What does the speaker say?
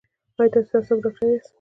ایا تاسو د اعصابو ډاکټر یاست؟